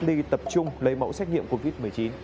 đi tập trung lấy mẫu xét nghiệm covid một mươi chín